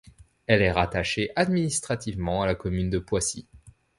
Elle est rattachée administrativement à la commune de Poissy.